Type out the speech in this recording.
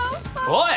おい！